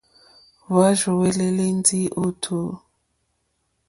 Hwá rzúwɛ̀lɛ̀lɛ̀ ndí ó tǔ.